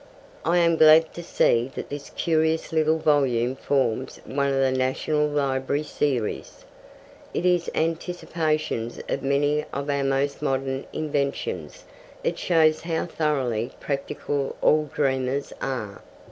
I am glad to see that this curious little volume forms one of the National Library series. In its anticipations of many of our most modern inventions it shows how thoroughly practical all dreamers are.